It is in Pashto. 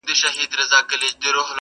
دا کاڼي د غضب یوازي زموږ پر کلي اوري!!